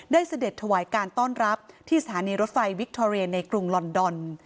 เสด็จถวายการต้อนรับที่สถานีรถไฟวิคทอเรียนในกรุงลอนดอน